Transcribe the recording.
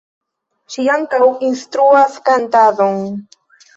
Ŝi ankaŭ instruas kantadon.